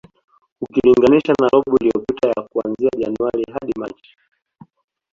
Ukilinganisha na robo iliyopita ya kuanzia Januari hadi Machi